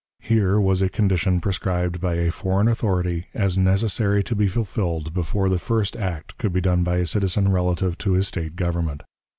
Here was a condition prescribed by a foreign authority as necessary to be fulfilled before the first act could be done by a citizen relative to his State government.